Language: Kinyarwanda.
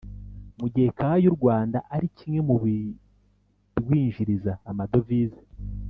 Mu gihe kawa y’u Rwanda ari kimwe mu birwinjiriza amadovize